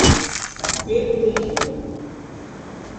Pedro Teixeira